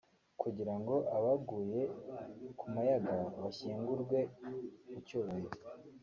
kugira ngo abaguye ku Mayaga bashyingurwe mu cyubahiro